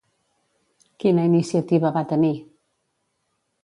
Quina iniciativa va tenir?